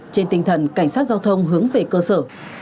trên tinh thần cảnh sát giao thông hướng về cơ sở